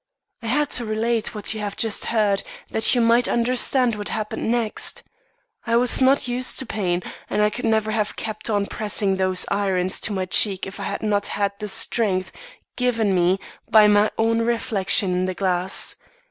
"I had to relate what you have just heard, that you might understand what happened next. I was not used to pain, and I could never have kept on pressing those irons to my cheek if I had not had the strength given me by my own reflection in the glass.